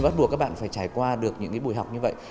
bắt buộc các bạn phải trải qua được những buổi học như vậy